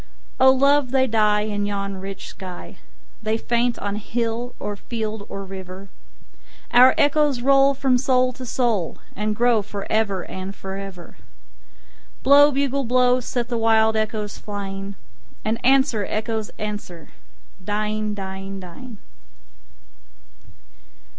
O love, they die in yon rich sky, They faint on hill or field or river:Our echoes roll from soul to soul, And grow for ever and for ever. Blow, bugle, blow, set the wild echoes flying, And answer, echoes, answer, dying, dying, dying.